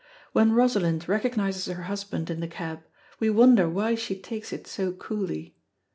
When Rosalind recognises her husband in the cab, we wonder why she takes it so coolly.